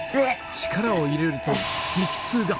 力を入れると激痛が。